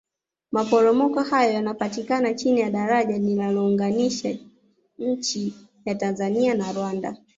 maporomoko hayo yanapita chini ya daraja linalounganisha nchi ya tanzania na rwanda